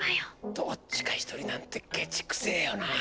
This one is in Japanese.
どっちか１人なんてケチくせえよな。